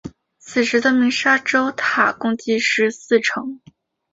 此时的鸣沙洲塔共计十四层。